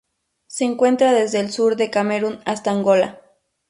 Se encuentra desde el sur de Camerún hasta Angola.